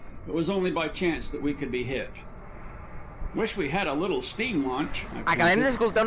It was only by chance that we could be hit. "Wish we had a little steam launch," I panted.